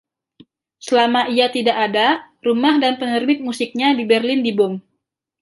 Selama ia tidak ada, rumah dan penerbit musiknya di Berlin dibom.